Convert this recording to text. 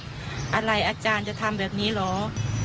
และที่สำคัญก็มีอาจารย์หญิงในอำเภอภูสิงอีกเหมือนกัน